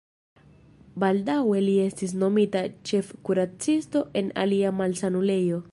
Baldaŭe li estis nomita ĉefkuracisto en alia malsanulejo.